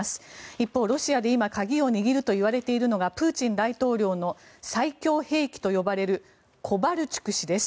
一方、ロシアで今鍵を握るといわれているのがプーチン大統領の最強兵器と呼ばれるコバルチュク氏です。